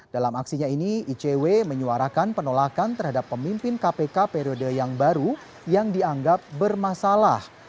dalam aksinya ini icw menyuarakan penolakan terhadap pemimpin kpk periode yang baru yang dianggap bermasalah